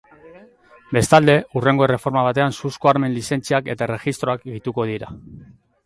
Bestalde, hurrengo erreforma batean suzko armen lizentziak eta erregistroak gehituko dira.